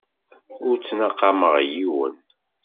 Ur ttnaqameɣ yiwen.